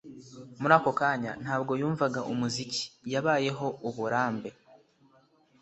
Muri ako kanya ntabwo yumvaga umuziki, yabayeho uburambe.